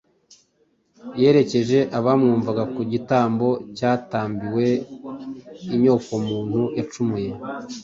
Yerekeje abamwumvaga ku gitambo cyatambiwe inyokomuntu yacumuye.